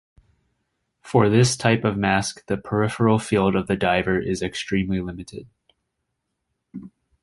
For this type of mask the peripheral field of the diver is extremely limited.